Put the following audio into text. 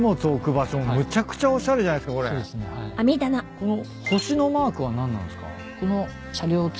この星のマークは何なんすか？